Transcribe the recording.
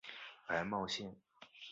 白茂线